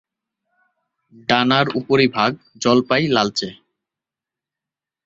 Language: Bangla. ডানার উপরিভাগ জলপাই-লালচে।